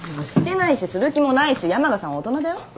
してないしする気もないし山賀さんは大人だよ。